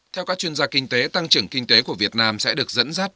theo các chuyên gia kinh tế tăng trưởng kinh tế của việt nam sẽ được dẫn dắt